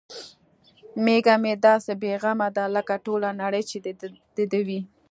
میږه مې داسې بې غمه ده لکه ټوله نړۍ چې د دې وي.